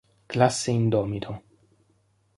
Classe Indomito